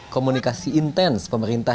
komunikasi intens pemerintah